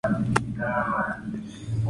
Un diálogo entre Hitler y yo".